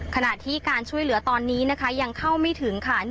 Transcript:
ขณะที่การช่วยเหลือตอนนี้นะคะยังเข้าไม่ถึงค่ะ